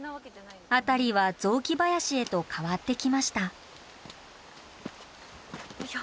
辺りは雑木林へと変わってきました。